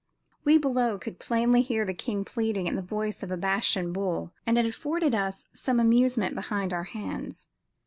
We below could plainly hear the king pleading in the voice of a Bashan bull, and it afforded us some amusement behind our hands.